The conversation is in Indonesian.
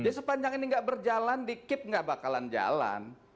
jadi sepanjang ini nggak berjalan dikip nggak bakalan jalan